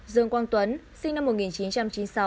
dương quang tuấn sinh năm một nghìn chín trăm chín mươi sáu